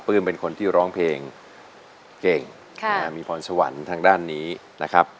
เป็นคนที่ร้องเพลงเก่งมีพรสวรรค์ทางด้านนี้นะครับ